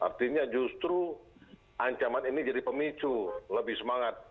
artinya justru ancaman ini jadi pemicu lebih semangat